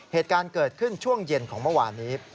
เหตุการณ์เกิดขึ้นช่วงเย็นของเมื่อวานนี้